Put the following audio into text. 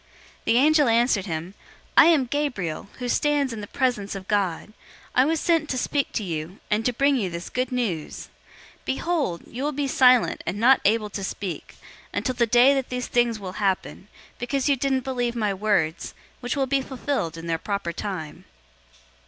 001:019 The angel answered him, "I am Gabriel, who stands in the presence of God. I was sent to speak to you, and to bring you this good news. 001:020 Behold, you will be silent and not able to speak, until the day that these things will happen, because you didn't believe my words, which will be fulfilled in their proper time."